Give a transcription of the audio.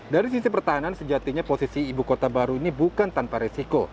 dari sisi pertahanan sejatinya posisi ibu kota baru ini bukan tanpa resiko